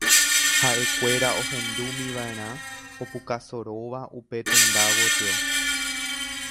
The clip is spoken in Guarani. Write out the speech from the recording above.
ha'ekuéra ohendúmiva'erã opukasoróva upe tenda gotyo